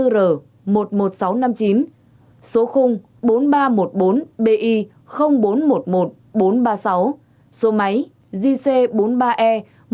hai mươi bốn r một mươi một nghìn sáu trăm năm mươi chín số bốn nghìn ba trăm một mươi bốn bi bốn trăm một mươi một bốn trăm ba mươi sáu số máy gc bốn mươi ba e một trăm năm mươi bảy chín nghìn tám trăm bảy mươi năm